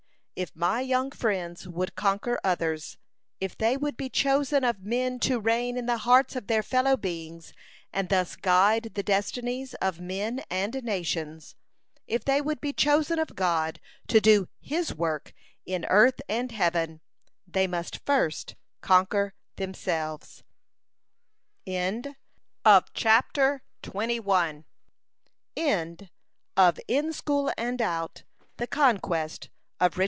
If my young friends would conquer others; if they would be chosen of men to reign in the hearts of their fellow beings, and thus guide the destinies of men and nations; if they would be chosen of God to do his work in earth and heaven, they must first conquer themselves. LEE & SHEPARD'S JUVENILE PUBLICATIONS. TALES OF ADVENTURE. THE FRONTIER SERIES.